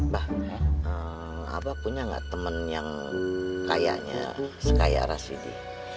bah punya tidak teman yang sekaya rasidi